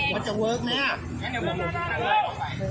มันจะเวิร์คไหมครับ